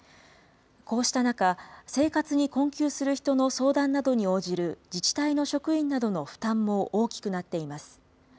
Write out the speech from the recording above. こうした中、生活に困窮する人の相談などに応じる自治体の職員などの負担も大きくなっています。